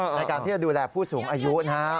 ในการที่จะดูแลผู้สูงอายุนะครับ